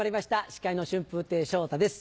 司会の春風亭昇太です。